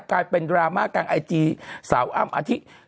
กลายเป็นดราม่ากลางไอจีสาวอ้ำอาธิ